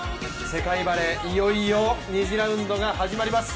世界バレー、いよいよ２次ラウンドが始まります。